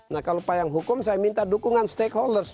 nah kalau payung hukum saya minta dukungan stakeholders